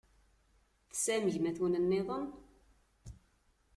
Tesɛam gma-twen-nniḍen?